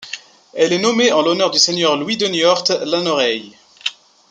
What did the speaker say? Elle est nommée en l'honneur du seigneur Louis de Niort Lanoraye.